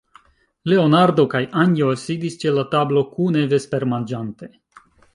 Leonardo kaj Anjo sidis ĉe la tablo, kune vespermanĝante.